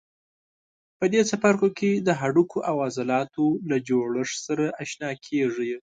په دې څپرکي کې د هډوکو او عضلاتو له جوړښت سره آشنا کېږئ.